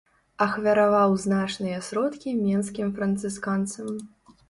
Ахвяраваў значныя сродкі менскім францысканцам.